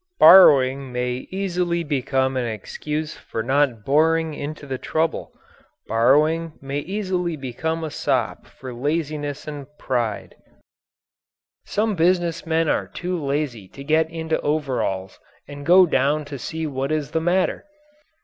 Borrowing may easily become an excuse for not boring into the trouble. Borrowing may easily become a sop for laziness and pride. Some business men are too lazy to get into overalls and go down to see what is the matter.